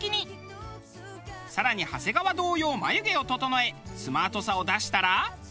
更に長谷川同様眉毛を整えスマートさを出したら。